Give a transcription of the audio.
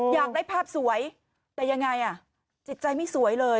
อยากได้ภาพสวยแต่ยังไงอ่ะจิตใจไม่สวยเลย